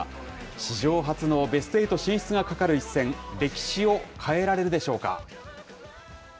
史上初のベスト８進出がかかる一戦、歴史を変えられるでしょうか。